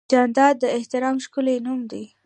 جانداد د احترام ښکلی نوم دی.